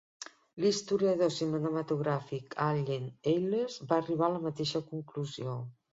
L'historiador cinematogràfic Allen Eyles va arribar a la mateixa conclusió.